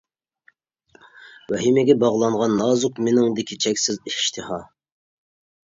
ۋەھىمىگە باغلانغان نازۇك، مېنىڭدىكى چەكسىز ئىشتىھا.